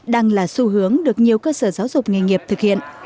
đang là xu hướng được nhiều cơ sở giáo dục nghề nghiệp thực hiện